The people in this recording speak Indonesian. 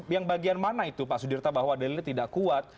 yang bagian mana itu pak sudirta bahwa dalilnya tidak kuat